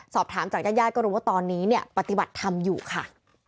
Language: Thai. สอบถามจากญาติย่านก็รู้ว่าตอนนี้ปฏิบัติทำอยู่ค่ะ